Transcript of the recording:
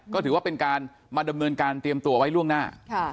ก็ถือว่าเป็นการมาดำเนินการเตรียมตัวไว้ล่วงหน้า